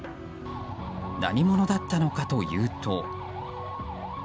何者だったのかというと。